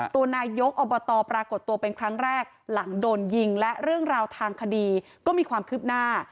ตัวนายกอบตปรากฏตัวเป็นครั้งแรกหลังโดนยิงและเรื่องราวทางคดีก็มีความคืบหน้า